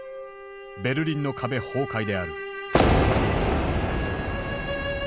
ベルリンの壁崩壊である。